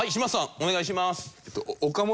お願いします。